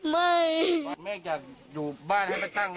ไม่อยากเล่นบอล